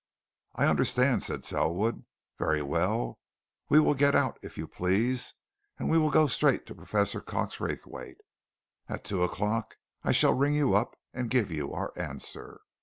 "I understand," said Selwood. "Very well we will get out, if you please, and we will go straight to Professor Cox Raythwaite. At two o'clock I shall ring you up and give you our answer."